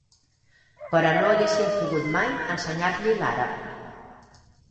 Però no haguessin pogut mai ensenyar-li l'àrab.